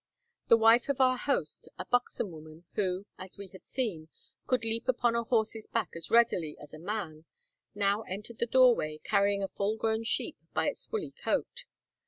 The wife of our host, a buxom woman, who, as we had seen, could leap upon a horse's back as readily as a man, now entered the doorway, carrying a full grown sheep by its woolly coat.